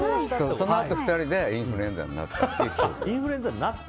そのあと２人でインフルエンザになった。